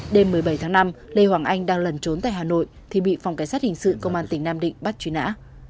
đêm một mươi bảy tháng năm lê hoàng anh đang lần trốn tại hà nội thì bị phòng cảnh sát hình sự công an tỉnh nam định bắt truy nã